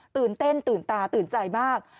ตื่นเต้นตื่นตาตื่นใจมาก